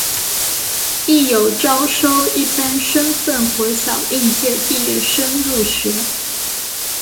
亦有招收一般身份国小应届毕业生入学。